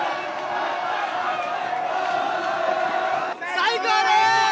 最高です！